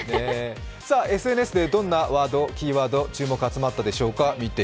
ＳＮＳでどんなキーワードに注目が集まったでしょうか。